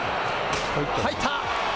入った！